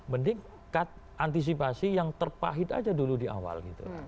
mending cut antisipasi yang terpahit aja dulu di awal